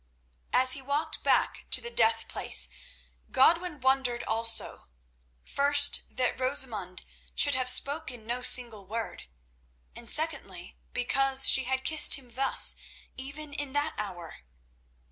As he walked back to the death place Godwin wondered also, first that Rosamund should have spoken no single word, and secondly because she had kissed him thus, even in that hour.